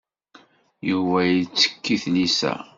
Yuba yettekk i tlisa.